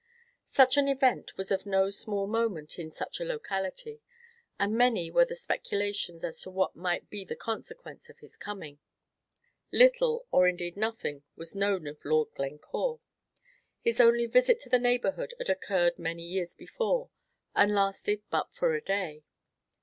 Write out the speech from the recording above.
Such an event was of no small moment in such a locality, and many were the speculations as to what might be the consequence of his coming. Little, or indeed nothing, was known of Lord Glencore; his only visit to the neighborhood had occurred many years before, and lasted but for a day.